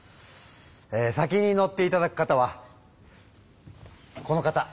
え先に乗っていただく方はこの方。